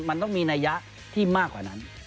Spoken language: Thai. มันต้องมีนัยยะที่มากกว่านั้น